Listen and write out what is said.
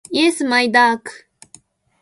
イエスマイダーク